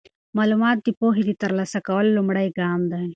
معلومات د پوهې د ترلاسه کولو لومړی ګام دی.